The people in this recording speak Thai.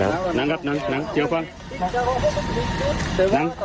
นั่งครับนั่งค่อยค่อย